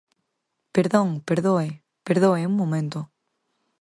¡Perdón!, ¡perdoe!, ¡perdoe un momento!